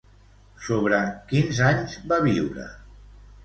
Sobre quins anys va viure?